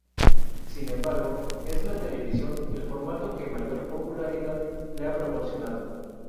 Sin embargo, es la televisión el formato que mayor popularidad le ha proporcionado.